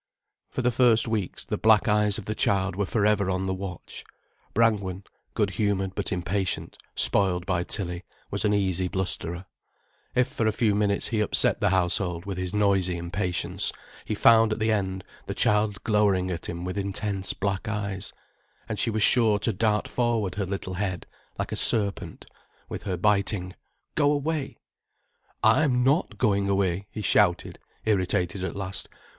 For the first weeks, the black eyes of the child were for ever on the watch. Brangwen, good humoured but impatient, spoiled by Tilly, was an easy blusterer. If for a few minutes he upset the household with his noisy impatience, he found at the end the child glowering at him with intense black eyes, and she was sure to dart forward her little head, like a serpent, with her biting: "Go away." "I'm not going away," he shouted, irritated at last.